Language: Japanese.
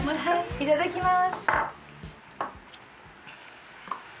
いただきます。